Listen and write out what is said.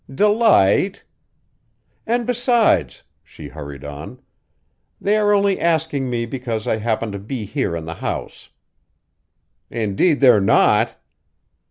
"Delight!" "And besides," she hurried on, "they are only asking me because I happen to be here in the house." "Indeed they're not!"